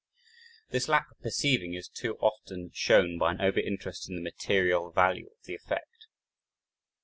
This lack of perceiving is too often shown by an over interest in the material value of the effect.